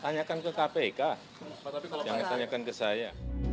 tanyakan ke kpk jangan ditanyakan ke saya